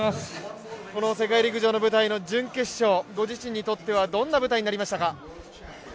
この世界陸上の舞台の準決勝ご自身にとってはどんな舞台になりましたか？